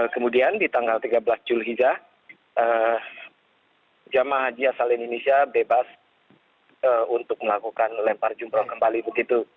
kemudian di tanggal tiga belas juli hija jamah haji asal indonesia bebas untuk melakukan melempar jumrah kembali begitu